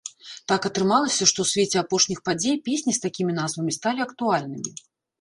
Так атрымалася, што ў свеце апошніх падзей песні з такімі назвамі сталі актуальнымі.